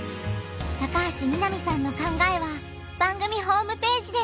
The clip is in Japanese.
高橋みなみさんの考えは番組ホームページで！